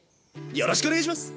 よろしくお願いします。